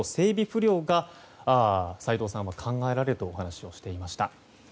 不良が斎藤さんは考えられるとお話をしていました。